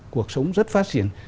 cuộc sống rất phát triển